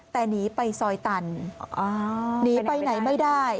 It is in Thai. แต่หนีไปซอยตันหนีไปไหนไม่ได้